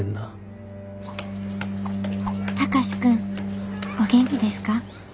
「貴司君お元気ですか。